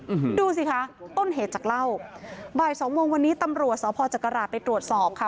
อืมดูสิคะต้นเหตุจากเล่าบ่ายสองโมงวันนี้ตำรวจสพจักราชไปตรวจสอบค่ะ